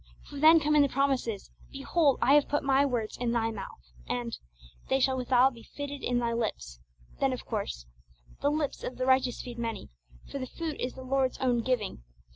For then come in the promises, 'Behold, I have put My words in thy mouth,' and, 'They shall withal be fitted in thy lips.' Then, of course, 'the lips of the righteous feed many,' for the food is the Lord's own giving.